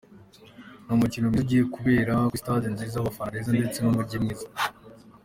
Ni umukino mwiza ugiye kubera kuri stade nziza, abafana beza, ndetse n’umugi mwiza.